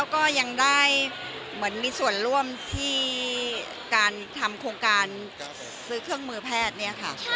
ก็ยังได้เหมือนมีส่วนร่วมที่การทำโครงการซื้อเครื่องมือแพทย์เนี่ยค่ะ